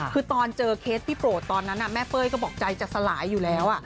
คือตอนเจอเคสพี่โปรดตอนนั้นแม่เป้ยก็บอกใจจะสลายอยู่แล้ว